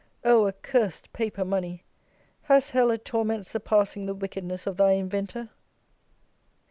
O! accursed paper money! Has hell a torment surpassing the wickedness of thy inventor?